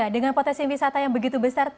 dengan potensi wisata yang begitu besar